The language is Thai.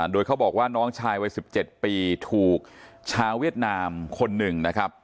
โดยเขาบอกว่าน้องชายวัย๑๗ปีถูกชาวเวียดนามคนหนึ่งนะครับ